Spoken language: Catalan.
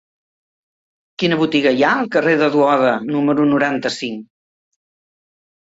Quina botiga hi ha al carrer de Duoda número noranta-cinc?